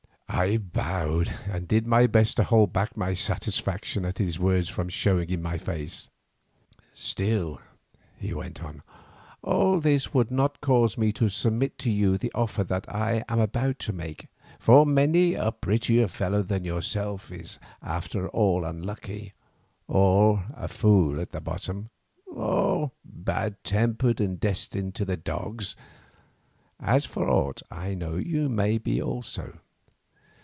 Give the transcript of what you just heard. I bowed, and did my best to hold back my satisfaction at his words from showing in my face. "Still," he went on, "all this would not cause me to submit to you the offer that I am about to make, for many a prettier fellow than yourself is after all unlucky, or a fool at the bottom, or bad tempered and destined to the dogs, as for aught I know you may be also.